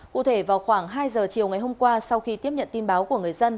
cụ thể vào khoảng hai giờ chiều ngày hôm qua sau khi tiếp nhận tin báo của người dân